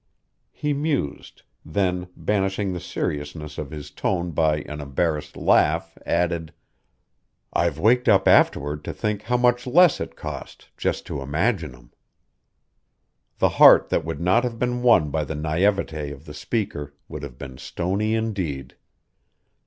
He mused, then banishing the seriousness of his tone by an embarrassed laugh added, "I've waked up afterward to think how much less it cost just to imagine 'em." The heart that would not have been won by the naïvete of the speaker would have been stony indeed!